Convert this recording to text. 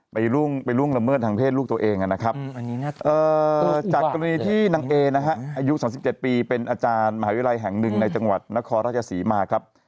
ไปล่วงละเมิดทางเพศลูกตัวเองนะครับจากกรณีที่นางเอนะฮะอายุ๓๗ปีเป็นอาจารย์มหาวิทยาลัยแห่งหนึ่งในจังหวัดนครราชศรีมาครับ